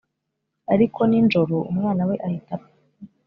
Ariko ninjoro umwana we ahita apfa